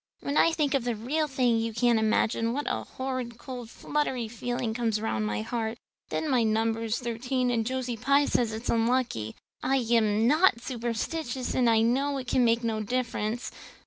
When I think of the real thing you can't imagine what a horrid cold fluttery feeling comes round my heart. And then my number is thirteen and Josie Pye says it's so unlucky. I am not superstitious and I know it can make no difference.